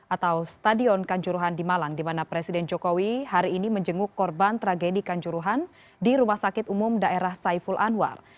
atau stadion kanjuruhan di malang di mana presiden jokowi hari ini menjenguk korban tragedi kanjuruhan di rumah sakit umum daerah saiful anwar